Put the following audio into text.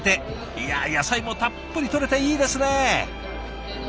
いや野菜もたっぷりとれていいですね。